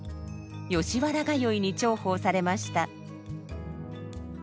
吉原通いに重宝されました。